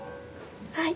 はい。